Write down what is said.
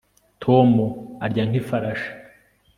tom arya nk'ifarashi